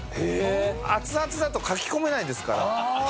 熱々だとかきこめないですから。